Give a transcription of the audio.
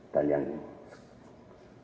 dan yang ini